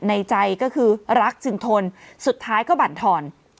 ในใจก็คือรักจึงทนสุดท้ายก็บรรทอน